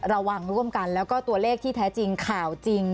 ระวังร่วมกันแล้วก็ตัวเลขที่แท้จริงข่าวจริง